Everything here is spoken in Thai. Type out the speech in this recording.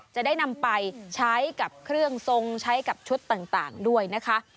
จะได้นำไปใช้กับเครื่องทรงใช้กับชุดต่างด้วยนะคะ